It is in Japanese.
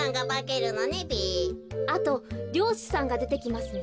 あとりょうしさんがでてきますね。